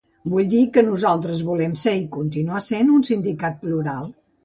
Vull dir que nosaltres volem ser, i continuar essent, un sindicat plural.